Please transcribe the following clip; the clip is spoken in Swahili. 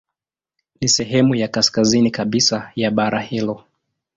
Ni sehemu ya kaskazini kabisa ya bara hilo.